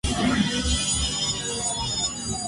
El uniforme del equipo es camiseta, pantalón y medias azules.